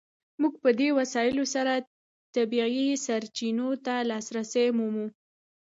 موږ په دې وسایلو سره طبیعي سرچینو ته لاسرسی مومو.